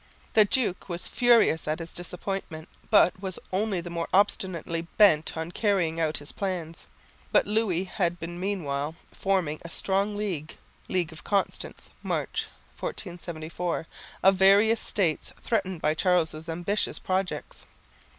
The duke was furious at his disappointment, but was only the more obstinately bent on carrying out his plans. But Louis had been meanwhile forming a strong league (League of Constance, March 1474) of various states threatened by Charles' ambitious projects.